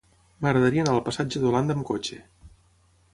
M'agradaria anar al passatge d'Holanda amb cotxe.